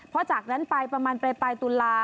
เพราะจากนั้นไปประมาณปลายตุลา